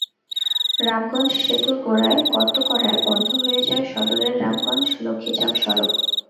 রামগঞ্জ সেতুর গোড়ায় গর্ত করায় বন্ধ হয়ে যায় সদরের রামগঞ্জ-লক্ষ্মীচাপ সড়ক।